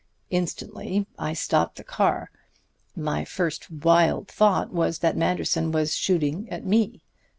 "Instantly I stopped the car. My first wild thought was that Manderson was shooting at me.